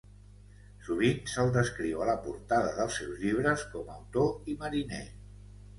Sovint se'l descriu a la portada dels seus llibres com "autor i mariner".